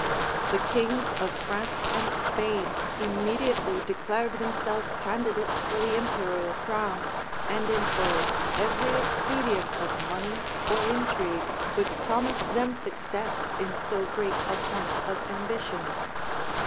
The kings of France and Spain immediately declared themselves candidates for the imperial crown, and employed every expedient of money or intrigue, which promised them success in so great a point of ambition.